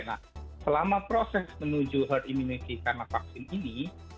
nah selama proses menuju herd immunity karena vaksin ini